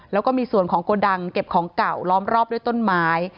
แล้วก็มีส่วนของโกดังเก็บของเก่าล้อมรอบด้วยต้นไม้